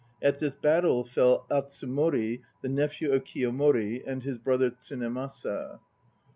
At this battle fell Atsumori, the nephew of Kiyomori, and his brother Tsunemasa.